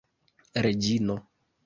reĝino